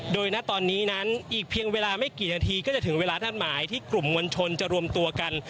โดยณตอนนี้นั้นอีกเพียงเวลาไม่กี่นาทีก็จะถึงเวลานัดหมายที่กลุ่มมวลชนจะรวมตัวกัน